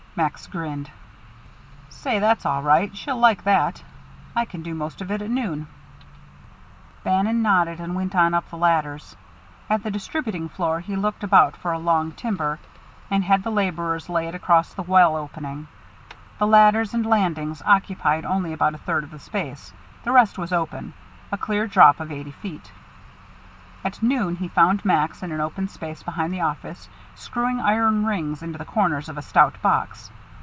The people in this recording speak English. Max grinned. "Say, that's all right. She'll like that. I can do most of it at noon." Bannon nodded and went on up the ladders. At the distributing floor he looked about for a long timber, and had the laborers lay it across the well opening. The ladders and landings occupied only about a third of the space; the rest was open, a clear drop of eighty feet. At noon he found Max in an open space behind the office, screwing iron rings into the corners of a stout box.